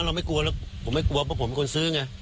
เราไม่กลัวแล้วผมไม่กลัวเพราะผมเป็นคนซื้อไง